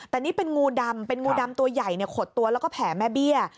แต่นี่เป็นงูดำเป็นงูดำตัวใหญ่ขดตัวแล้วก็แผ่แม่เบี้ย